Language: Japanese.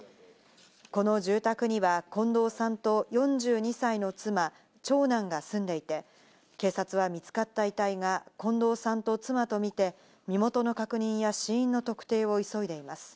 この住宅には近藤さんと４２歳の妻、長男が住んでいて、警察は見つかった遺体が近藤さんと妻とみて、身元の確認や死因の特定を急いでいます。